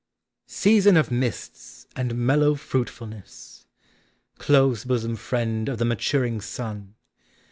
Season of mists and mellow f ruitf ulness ! Close bosom friend of the maturing sun!